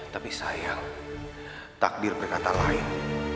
tapi sayang takbir berkata lain